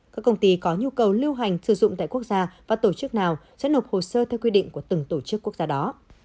các công ty có nhu cầu lưu hành sử dụng tại quốc gia và tổ chức nào sẽ nộp hồ sơ theo quy định của từng tổ chức quốc gia đó